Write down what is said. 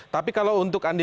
tapi kalau untuk anda